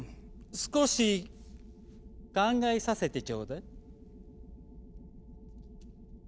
少し考えさせてちょうだい。